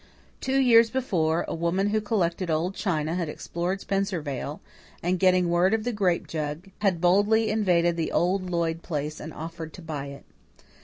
Two years before, a woman who collected old china had explored Spencervale, and, getting word of the grape jug, had boldly invaded the old Lloyd place and offered to buy it.